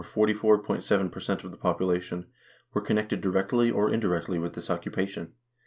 7 per cent of the population, were connected directly or indirectly with this occupation.